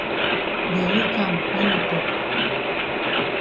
Den yi kam yi no tok.